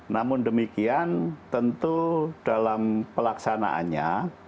namun demikian tentu dalam pelaksanaannya